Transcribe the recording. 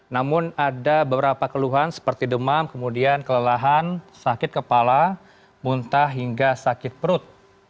namun ada beberapa keluhan seperti demam kemudian kelelahan sakit kepala muntah hingga sakit perut